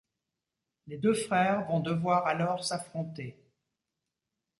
Les deux frères vont devoir alors s'affronter...